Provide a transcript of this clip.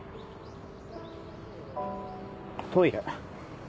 トイレ。